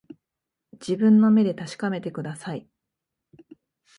自分の目で確かめてください